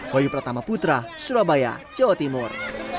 wahyu pratama putra surabaya jawa timur